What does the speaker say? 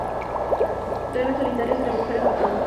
Duermen solitarios en agujeros de troncos.